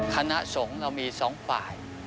คณะสงฆ์เรามี๒ฝ่าย